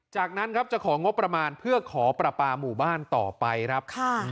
จากนั้นครับจะของงบประมาณเพื่อขอประปาหมู่บ้านต่อไปครับ